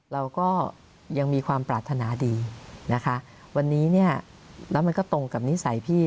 เราก็ยังมีความปรารถนาดีนะคะวันนี้เนี่ยแล้วมันก็ตรงกับนิสัยพี่